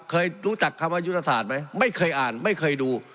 เคยรู้จักคำว่ายุทธศาสตร์ไหมไม่เคยอ่านไม่เคยดู